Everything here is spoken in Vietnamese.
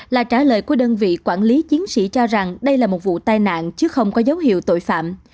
là trả lời của đơn vị quản lý chiến sĩ cho rằng đây là một vụ tai nạn chứ không có dấu hiệu tội phạm